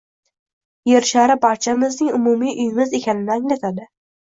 Yer shari barchamizning umumiy uyimiz ekanini anglatadi